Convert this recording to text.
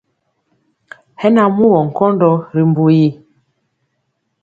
Hɛ na mugɔ nkɔndɔ ri mbu yi.